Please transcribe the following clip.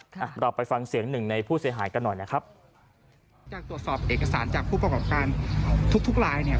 ค่ะเราไปฟังเสียงหนึ่งในผู้เสียหายกันหน่อยนะครับจากตรวจสอบเอกสารจากผู้ประกอบการทุกทุกลายเนี่ย